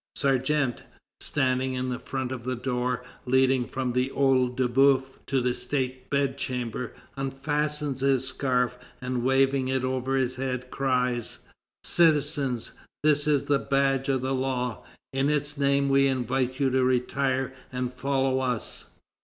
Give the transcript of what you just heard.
Sergent, standing in front of the door, leading from the OEil de Boeuf to the State Bedchamber, unfastens his scarf and waving it over his head, cries: "Citizens, this is the badge of the law; in its name we invite you to retire and follow us."